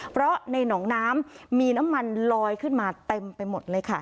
เพราะในหนองน้ำมีน้ำมันลอยขึ้นมาเต็มไปหมดเลยค่ะ